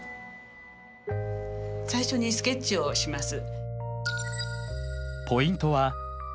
最初にスケッチをします。